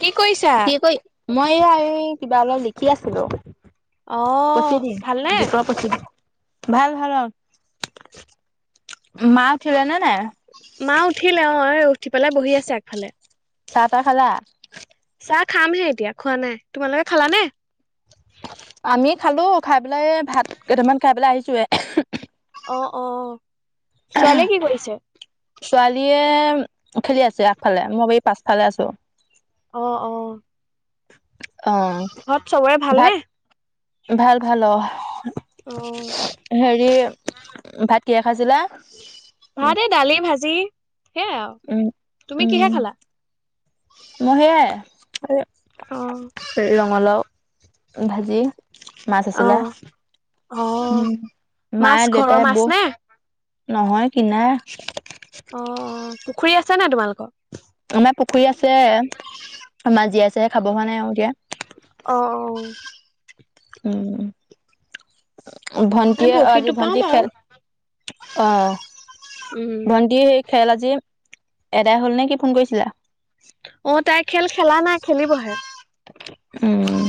কি কৰিছা? কি কৰি, মই এইয়া এই কিবা অলপ লিখি আছিলোঁ। অ', ভালনে? [unintelligible] ভাল, ভাল অ, মা উঠিলেনে নাই? মা উঠিলে অঁ, এই উঠি পেলাই বহি আছে আগফালে। চাহ-তাহ খালা? চাহ খামহে এতিয়া খোৱা নাই। তোমালোকে খালা নে? আমি খালোঁ। খাই পেলাই এই ভাত কেইটামান খাই পেলাই আহিছোহে। অঁ, অঁ ছোৱালীয়ে কি কৰিছে? ছোৱালীয়ে খেলি আছে আগফালে। মই বাৰী পাছফালে আছোঁ। অঁ, অঁ। অঁ, চবৰে ভালনে? ভাত, ভাল ভাল অঁ। অঁ। হেৰি, ভাত কিহে খাইছিলা? উম ভাত এই দালি, ভাজি সেয়ে আও। তুমি উম কিহে খালা? মই সেয়াই, অ', সেইয়া ৰঙ লাও ভাজি মাছ আছিলে। অ', অ', ওঁ, মাছ মায়ে, ঘৰৰ দেউতাই, মাছ বৌ। নে? নহয় কিনা। অঁ, অঁ পুখুৰী আছে নাই তোমালোকৰ? আমাৰ পুখুৰী আছে। মাছ জীয়াইছেহে খাব হোৱা নাই আৰু এতিয়া। অঁ, অ '। উম, আমি ভণ্টিয়ে অঁ, বৰশীটো আজি পাওঁ ভণ্টিৰ বাৰু। খেল অঁ, উম, ভণ্টিৰ সেই খেল আজি এদাই হ'ল নেকি ফোন কৰিছিলা? অঁ, তাই খেল খেলানাই খেলিবহে। উম।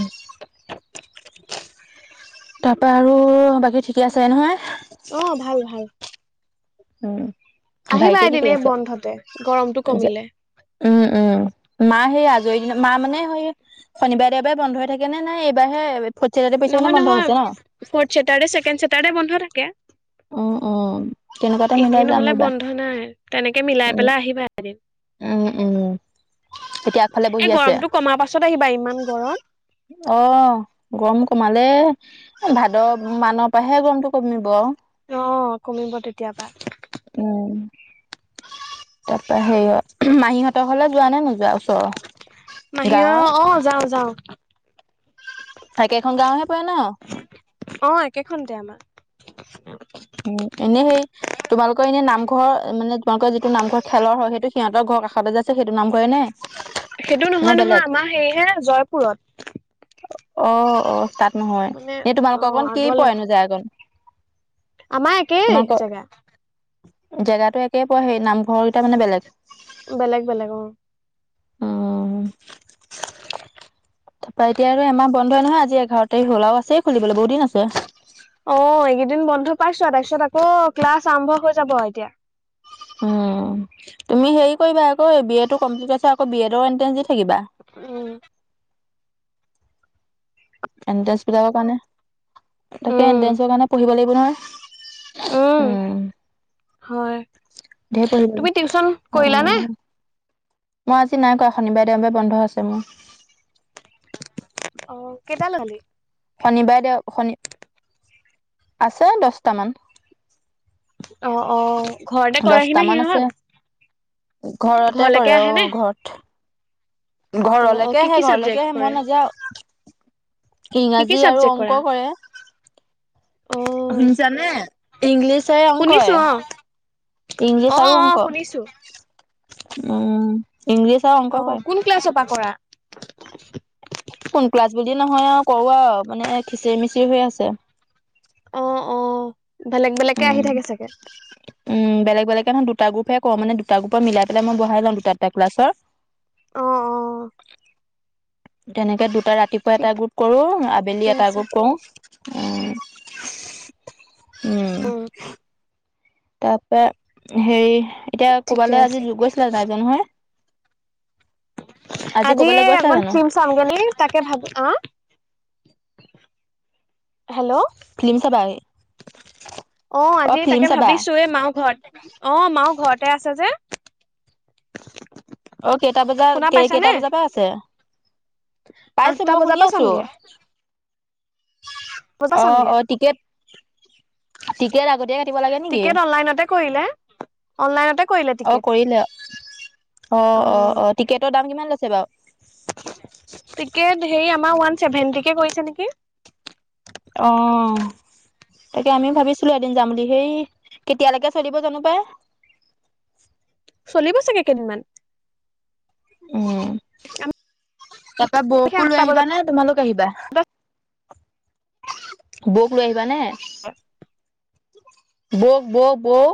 তাৰপৰা আৰু বাকী ঠিকে আছে নহয়? অঁ, ভাল ভাল। উম। আহিবা ভাইটিয়ে কি এদিন কৰি এই আছে? বন্ধতে, গৰমটো কমিলে। উম, উম। মা সেই আজৰি দিনত, মা মানে সেই শনিবাৰে, দেওবাৰে বন্ধ হৈ থাকে নে? নে এইবাৰহে ফৰ্থ চেটাৰডে পৰিছে কাৰণে নহয়, বন্ধ নহয়। হৈছে ন? ফৌৰ্থ ছেটাৰডে, ছেকেণ্ড ছেটাৰডে বন্ধ থাকে। অঁ, অঁ। এনেই নহলে বন্ধ নাই তেনেকে মিলাই উম পেলাই আহিবা এদিন। উম উম এতিয়া আগফালে বহি এই আছে। গৰমটো কমাৰ পাছত আহিবা ইমান গৰম। অ' গৰম কমালে। এই ভাদ মানৰ পাহে গৰমটো কমিব। অঁ', কমিব তেতিয়াপা। উম' তাপা হেৰিয়- মাহীহঁতৰ ঘৰলে যোৱা নে নোযোৱা ওচৰ? মাহীঅ অঁ' যাওঁ যাওঁ। একে খন গাঁৱহে পৰে ন? অঁ' একেখন তে আমা। উম' এনেই সেই তোমালোকৰ এনে নামঘৰ মানে- তোমালোকৰ যিটো নামঘৰ খেলৰ হয় সেইটো সিহঁতৰ ঘৰ কষতে যে আছে সেইটো নামঘৰে নে? সেইটো নে নহয় নহয় বেলেগ? আমাৰ হেৰিহে জয়পুৰত। অ' অ' তাত নহয়, মানে এ অ তোমালোকৰ কণ কি আগলে পৰেনো জেগাকণ? আমাৰ একেই তোমালোকৰ জেগা। জেগাটো একে পৰে সেই নামঘৰ গিটা মানে বেলেগ। বেলেগ, বেলেগ অঁ'। অঁ' তাপা এতিয়া আৰু এমাহ বন্ধ হয় নহয় আজি এঘাৰ তাৰিখ হ'ল আৰু আছেই খুলিবলে বহুতদিন আছে। অঁ', এইগেইদিন বন্ধ পাইছো আ তাৰপিছত আকৌ ক্লাছ আৰম্ভ হৈ যাব এতিয়া। উম' তুমি হেৰি কৰিবা আকৌ বি এটো কমপ্লিট কৰিছা আকৌ বি এডৰ এন্ট্ৰেন্ঞ্চ দি থাকিবা। উম' এণ্ট্ৰেঞ্চ বিলাকৰ কাৰণে, তাকে উম এন্ট্ৰেঞ্চৰ কাৰণে পঢ়িব লাগিব নহয়। উম' হয় ধেৰ পঢ়িব তুমি ই, টিউচন কৰিলা নে? অঁ'। মই আজি নাই কৰা শনিবাৰে, দেওবাৰে বন্ধ আছে মোৰ। অ' কেইটা ললি? শনিবাৰে দেও শনি আছে দহটামান। অঁ' অঁ' ঘৰতে কৰেহি নে দছটামান আছে সিহঁত? ঘৰতে ঘৰলৈকে কৰে আহে নে? অঁ' ঘৰত। অ অ ঘৰলেকে কি আহে কি ঘৰলেকে চাবজেক্ট আহে ময় কৰে নাযাওঁ কি কি ইংৰাজী আৰু চাবজেক্ট কৰা? অংক কৰে। অ শুনিছানে? ইংলিছে শুনিছো অংকয়ে। অ ইংলিছ অ আৰু অ অংক শুনিছো। উম' ইংলিছ আৰু অংক কৰে। কি ক্লাছৰ পা কৰা? কোন ক্লাছ বুলি নহয় আৰু কৰো আৰু মানে খিচিৰি মিচিৰি হৈ আছে। অঁ' অঁ' বেলেগ বেলেগকে আহি উম থাকে চাগে। উম' বেলেগ বেলেগ নহয় দুটা গ্ৰপহে কৰো। মানে দুটা গ্ৰুপত মিলাই পেলাই মই বহাই লওঁ দুটা দুটা ক্লাছত। অঁ' অঁ' তেনেতে দুটা ৰাতিপুৱা এটা ঠিকে গ্ৰুপ কৰো আবেলি এটা আছে। গ্ৰুপ কৰো। উম' উম' উম' তাপা হেৰি এতিয়া ঠিকে ক'বালে আছে আজি গৈছিলা নাই যোৱা নহয়? আজি ক'বালৈ গৈছিলা অকমান জানো ফিল্ম চামগে নি তাকে ভাবো, আঁ' ফিল্ম চাবাগে। অঁ' আজি তাকে চাবা ভাবিছো এ মায়ো ঘৰত অঁ' মায়ো ঘৰতে আছে যে। [inaudible] অ' কেইটা বজাত শুনা কেইটা পাইছানে বজাৰ পৰা আছে? পাইছো আঠটা মই বজাৰ শুনি পৰা আছোঁ। চামগে। বজাৰ অ' চামগে অ' টিকেট, টিকেট আগতীয়া টিকেট অনলাইনতে কৰিলা? অনলাইনতে কৰিলে অ টিকেট। কৰিলে অ' অ' অ' টিকেটৰ দাম কিমান লৈছে বাউ? টিকেট হেৰি আমাৰ ৱান চেভেন্টি কে কৰিছে নেকি! অ' তাকে আমি ভাবিছিলো এদিন যাম বুলি সেই কেতিয়ালৈকে চলিব জানো পাই? চলিব চাগে কেইদিনমান! উম্ তাপা আমি বৌকো লৈ আঠটা আহিবা নে? তোমালোক আহিবা? বজাত বৌক লৈ আহিবা নে- বৌক-বৌ-বৌ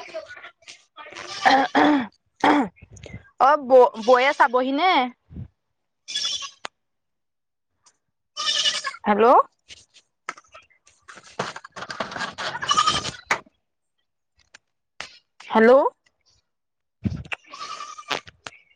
[unintelligible] অ' ব-বৌয়ে চাবহি নে হেল্ল' হেল্ল'